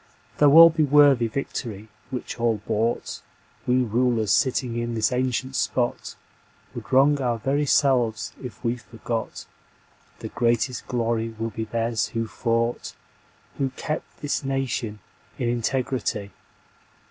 Though all be worthy Victory which all bought, We rulers sitting in this ancient spot Would wrong our very selves if we forgot The greatest glory will be theirs who fought, Who kept this nation in integrity."